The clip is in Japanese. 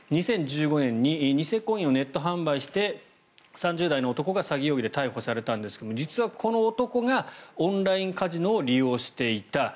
２０１５年に偽コインをネット販売して３０代の男が詐欺容疑で逮捕されたんですが実はこの男がオンラインカジノを利用していた。